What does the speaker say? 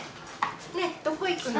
ねどこ行くの？